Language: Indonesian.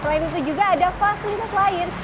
selain itu juga ada fasilitas lain